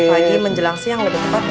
lagi menjelang siang lebih tepatnya